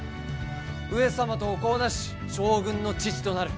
上様とお子をなし将軍の父となる。